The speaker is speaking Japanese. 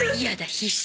必死。